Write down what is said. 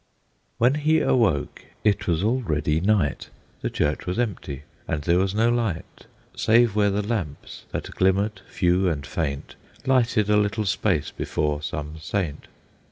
When he awoke, it was already night; The church was empty, and there was no light, Save where the lamps, that glimmered few and faint, Lighted a little space before some saint.